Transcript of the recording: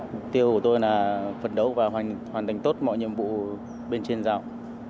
mục tiêu của tôi là phấn đấu và hoàn thành tốt mọi nhiệm vụ bên trên giao